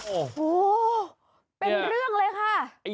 โอ้โหเป็นเรื่องเลยค่ะ